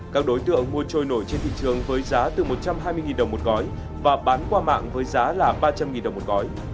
các đối tượng mua trôi nổi trên thị trường với giá từ một trăm hai mươi đồng một gói và bán qua mạng với giá là ba trăm linh đồng một gói